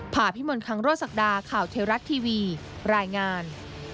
ผ่าพิมลคังโรศักดาข่าวเทวรัฐทีวีรายงาน